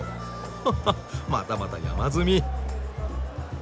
ははっまたまた山積み！